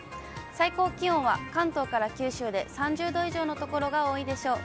最高気温は関東から九州で３０度以上の所が多いでしょう。